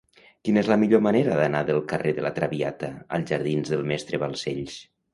Quina és la millor manera d'anar del carrer de La Traviata als jardins del Mestre Balcells?